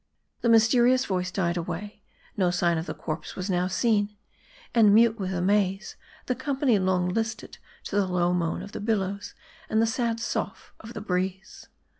The mysterious voice died away; no sign of the corpse was now seen ; and mute with amaze, the company long listed to the low moan of the billows and the sad sough of the breeze.